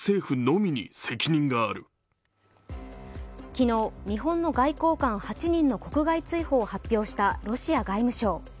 昨日、日本の外交官８人の国外追放を発表したロシア外務省。